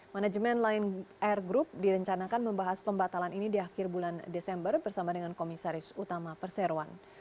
manajemen lion air group direncanakan membahas pembatalan ini di akhir bulan desember bersama dengan komisaris utama perseroan